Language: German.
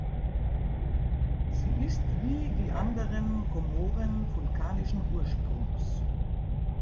Sie ist wie die anderen Komoren vulkanischen Ursprungs.